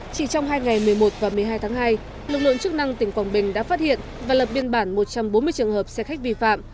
chỉ trong hai ngày một mươi một và một mươi hai tháng hai lực lượng chức năng tỉnh quảng bình đã phát hiện và lập biên bản một trăm bốn mươi trường hợp xe khách vi phạm